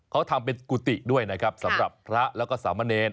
เขาทำกุฎิด้วยนะครับสำหรับพระและสามะเรน